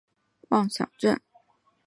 精神科医生亦证实被告患有妄想症。